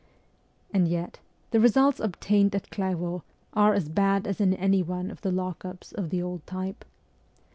And yet, the results obtained at Clairvaux are as bad as in any one of the lock ups of the old type.